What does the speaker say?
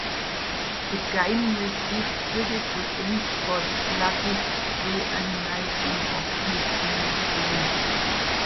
The game received criticism for the sluggish reanimation of each new screen.